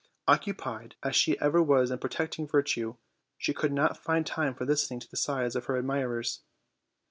Oc cupied as she ever was in protecting virtue, she could not find time for listening to the sighs of her admirers.